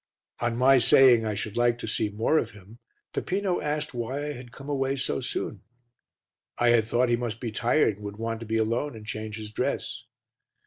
On my saying I should like to see more of him, Peppino asked why I had come away so soon. I had thought he must be tired and would want to be alone and change his dress.